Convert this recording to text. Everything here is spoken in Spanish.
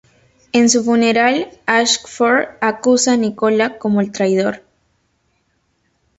En su funeral, Ashford acusa a Nikola como el traidor.